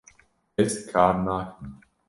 Ez kar nakim